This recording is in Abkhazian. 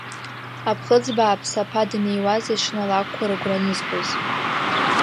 Аԥхыӡ бааԥс аԥа даниуаз аҽны алакәқәа рыгәра анызгоз…